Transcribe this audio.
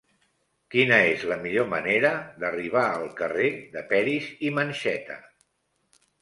Quina és la millor manera d'arribar al carrer de Peris i Mencheta?